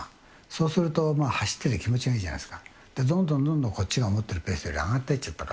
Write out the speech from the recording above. そうすると、走ってて気持ちがいいじゃないですか、どんどんどんどん、こっちが思っているペースより上がっていっちペース